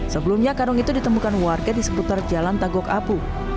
sebelumnya karung itu ditemukan warga di seputar jalan tagok apu